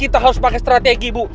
kita harus pakai strategi bu